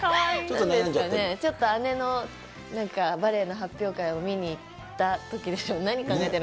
ちょっと姉のバレエの発表会を見に行ったときでしょうね。